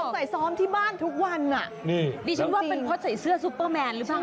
ใส่ซ้อมที่บ้านทุกวันอ่ะนี่ดิฉันว่าเป็นเพราะใส่เสื้อซุปเปอร์แมนหรือเปล่า